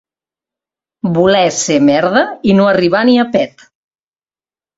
Voler ser merda i no arribar ni a pet.